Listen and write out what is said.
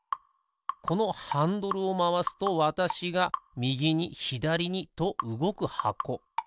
このハンドルをまわすとわたしがみぎにひだりにとうごくはこ。